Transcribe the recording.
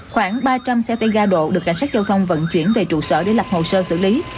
khoảng ba trăm linh xe tay ga độ được cảnh sát giao thông vận chuyển về trụ sở để lập hồ sơ xử lý